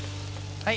はい。